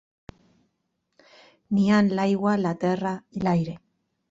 N'hi ha en l'aigua, la terra i l'aire.